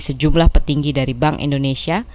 sejumlah petinggi dari bank indonesia